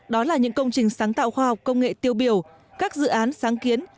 đó là những công trình sáng tạo khoa học công nghệ tiêu biểu các dự án sáng kiến